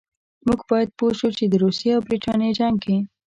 موږ باید پوه شو چې د روسیې او برټانیې جنګ کې.